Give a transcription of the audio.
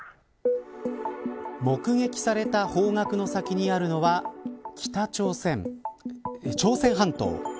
目撃された方角の先にあるのは朝鮮半島。